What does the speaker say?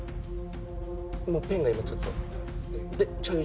ペンが今ちょっと。